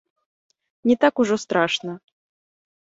Не так ужо страшна.